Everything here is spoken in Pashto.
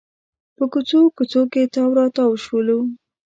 په کوڅو کوڅو کې تاو راتاو شولو.